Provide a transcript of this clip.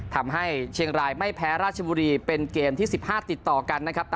ทำให้เชียงรายไม่แพ้ราชบุรีเป็นเกมที่๑๕ติดต่อกันนะครับ